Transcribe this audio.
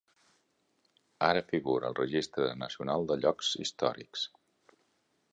Ara figura al Registre nacional de llocs històrics.